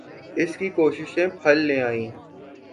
اس کی کوششیں پھل لے آئیں۔